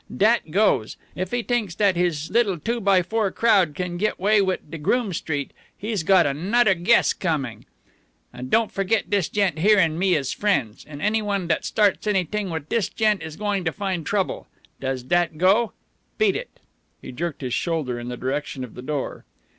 Dat goes. If he t'inks his little two by four crowd can git way wit' de Groome Street, he's got anodder guess comin'. An' don't fergit dis gent here and me is friends, and anyone dat starts anyt'ing wit' dis gent is going to find trouble. Does dat go? Beat it." He jerked his shoulder in the direction of the door.